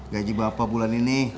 gaji bapak bulan ini